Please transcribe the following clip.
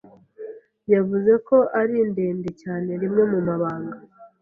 yavuze ko ari 'ndende cyane rimwe mu mabanga